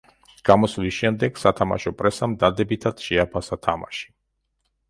გამოსვლის შემდეგ, სათამაშო პრესამ დადებითად შეაფასა თამაში.